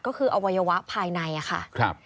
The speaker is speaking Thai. ก็คืออวัยวะภายในค่ะ